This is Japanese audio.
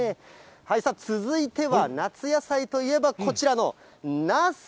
さあ、続いては夏野菜といえば、こちらのナス。